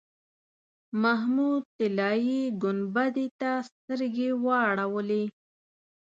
محمود طلایي ګنبدې ته سترګې واړولې.